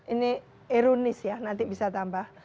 ini ironis ya nanti bisa tambah